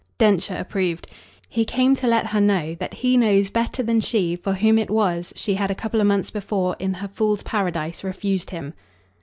Densher approved. "He came to let her know that he knows better than she for whom it was she had a couple of months before, in her fool's paradise, refused him."